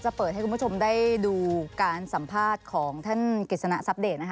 เปิดให้คุณผู้ชมได้ดูการสัมภาษณ์ของท่านกฤษณะทรัพเดตนะคะ